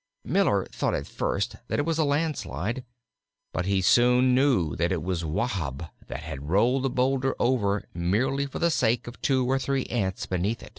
Miller thought at first that it was a land slide; but he soon knew that it was Wahb that had rolled the boulder over merely for the sake of two or three ants beneath it.